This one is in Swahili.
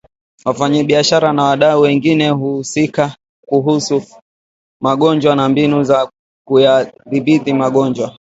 wafanyabiashara na wadau wengine huhusika kuhusu magonjwa na mbinu za kuyadhibiti magonjwa